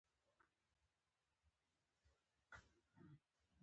او پۀ مخه ترې روان شې